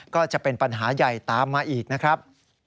ก็จะเป็นปัญหาใหญ่ตามมาอีกนะครับ